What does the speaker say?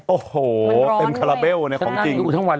โอ้โฮเต็มคาราเบลนะของจริงใช่ไหมครับมันร้อนด้วย